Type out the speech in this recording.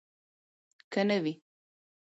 که نه وي.